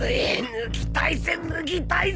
脱ぎたいぜ脱ぎたいぜ！